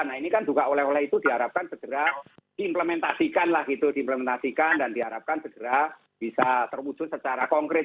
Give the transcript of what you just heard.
nah ini kan juga oleh oleh itu diharapkan segera diimplementasikan lah gitu diimplementasikan dan diharapkan segera bisa terwujud secara konkret